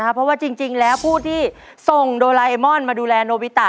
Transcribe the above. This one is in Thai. เพราะว่าจริงแล้วผู้ที่ส่งโดราเอมอนมาดูแลโนบิตะ